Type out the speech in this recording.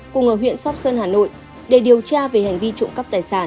cùng ở huyện sóc sơn hà nội để điều tra về hành vi trộm cắp tài sản